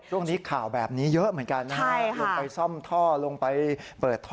ช่วงนี้ข่าวแบบนี้เยอะเหมือนกันนะฮะลงไปซ่อมท่อลงไปเปิดท่อ